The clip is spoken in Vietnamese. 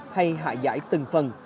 hay hạ giải từng phần